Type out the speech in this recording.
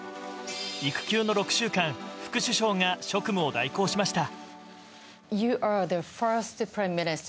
育休の６週間副首相が職務を代行しました。